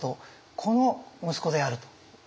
この息子であると。